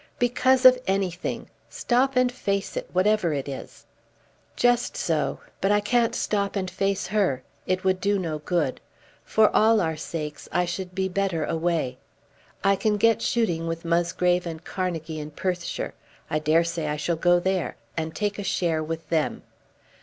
"Because of anything! Stop and face it, whatever it is." "Just so; but I can't stop and face her. It would do no good. For all our sakes I should be better away. I can get shooting with Musgrave and Carnegie in Perthshire. I dare say I shall go there, and take a share with them."